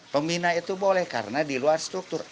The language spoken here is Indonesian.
pembina itu boleh karena di luar struktur